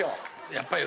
やっぱり。